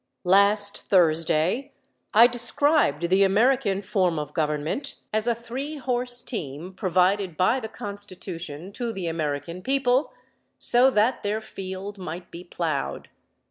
Last Thursday I described the American form of government as a three horse team provided by the Constitution to the American people so that their field might be plowed.